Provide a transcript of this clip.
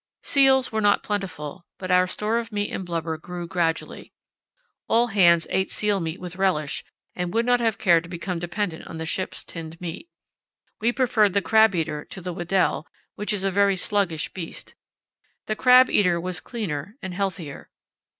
Seals were not plentiful, but our store of meat and blubber grew gradually. All hands ate seal meat with relish and would not have cared to become dependent on the ship's tinned meat. We preferred the crab eater to the Weddell, which is a very sluggish beast. The crab eater seemed cleaner and healthier.